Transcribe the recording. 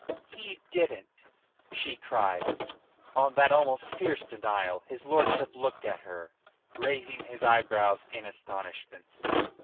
"He didn't," she cried. On that almost fierce denial his lordship looked at her, raising his eyebrows in astonishment.